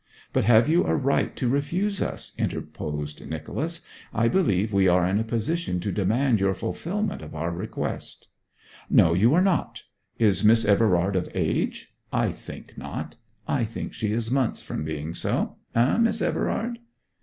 'But have you a right to refuse us?' interposed Nicholas. 'I believe we are in a position to demand your fulfilment of our request.' 'No, you are not! Is Miss Everard of age? I think not. I think she is months from being so. Eh, Miss Everard?'